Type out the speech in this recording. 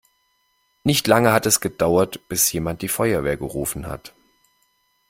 Nicht lange hat es gedauert, bis jemand die Feuerwehr gerufen hat.